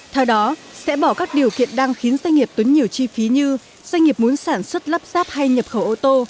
theo đó sẽ bỏ các điều kiện đang khiến doanh nghiệp tốn nhiều chi phí như doanh nghiệp muốn sản xuất lắp ráp hay nhập khẩu ô tô